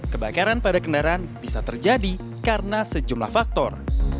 kebakaran pada kendaraan bisa terjadi karena sejumlah faktor